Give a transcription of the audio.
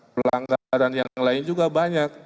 pelanggaran yang lain juga banyak